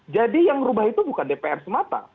jadi yang merubah itu bukan dpr semata